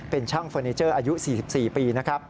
เป็นช่างเฟอร์เนเจอร์อายุ๔๔ปี